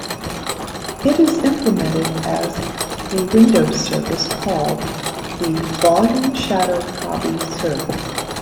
It is implemented as a Windows service called the "Volume Shadow Copy" service.